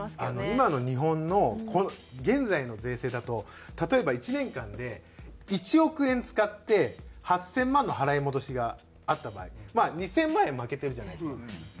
今の日本の現在の税制だと例えば１年間で１億円使って８０００万の払い戻しがあった場合２０００万円負けてるじゃないですか。